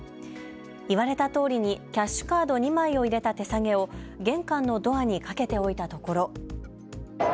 言われたとおりにキャッシュカード２枚を入れた手提げを玄関のドアに掛けておいたところ。